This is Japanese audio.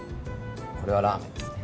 これはラーメンですね